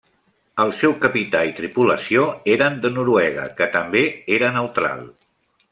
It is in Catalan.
El seu capità i tripulació eren de Noruega, que també era neutral.